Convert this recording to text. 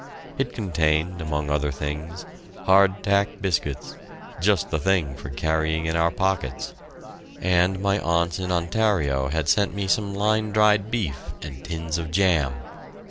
It contained, among other things, hard tack biscuits, just the thing for carrying in our pockets, and my aunts in Ontario had sent me some line dried beef and tins of jam.